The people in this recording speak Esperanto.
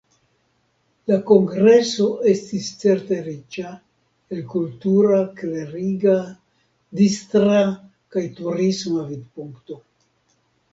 La kongreso estis certe riĉa, el kultura, kleriga, distra kaj turisma vidpunkto.